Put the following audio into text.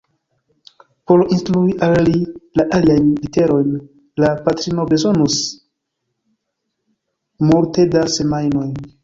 Por instrui al li la aliajn literojn, la patrino bezonis multe da semajnoj.